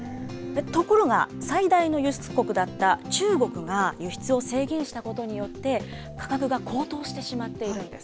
ところが、最大の輸出国だった中国が輸出を制限したことによって、価格が高騰してしまっているんです。